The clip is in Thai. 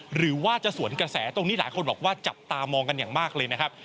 หรือว่าจะสวนกระแสตรงนี้หลายคนบอกว่าจับตามองกันอย่างมากเลยนะครับ